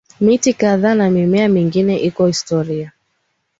miti kadhaa na mimea mingine iko Historia